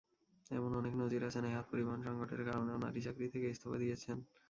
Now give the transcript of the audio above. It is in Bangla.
এমন অনেক নজির আছে, নেহাত পরিবহন–সংকটের কারণেও নারী চাকরি থেকে ইস্তফা দিয়েছেন।